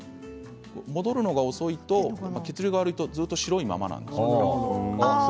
戻るのが遅いと血流が悪いとずっと白いままなんだそうです。